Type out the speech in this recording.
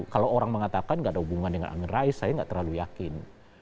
kalau orang mengatakan gak ada hubungan dengan amin rais saya nggak terlalu yakin